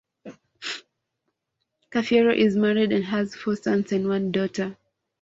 Cafiero is married and has four sons and one daughter.